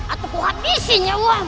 atau kuhabisin ya uang